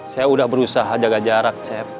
saya udah berusaha jaga jarak cep